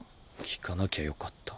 聞かなきゃよかった。